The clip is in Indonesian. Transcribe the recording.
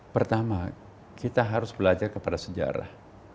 pertama kita harus belajar kepada sejarah